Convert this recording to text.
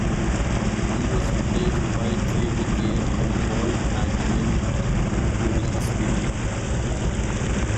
He was replaced by Thierry Giet and Paul Magnette during this period.